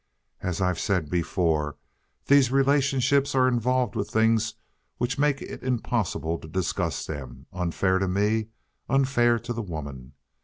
As I've said before, these relationships are involved with things which make it impossible to discuss them—unfair to me, unfair to the woman.